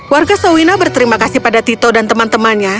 warga sawina berterima kasih pada tito dan teman temannya